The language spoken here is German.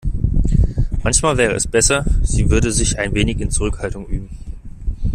Manchmal wäre es besser, sie würde sich ein wenig in Zurückhaltung üben.